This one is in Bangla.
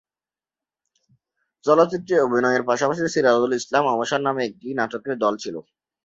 চলচ্চিত্রে অভিনয়ের পাশাপাশি সিরাজুল ইসলাম "অবসর" নামে একটি নাটকের দল ছিল।